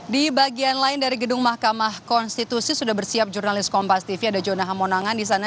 di bagian lain dari gedung mahkamah konstitusi sudah bersiap jurnalis kompas tv ada jona hamonangan di sana